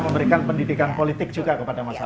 memberikan pendidikan politik juga kepada masyarakat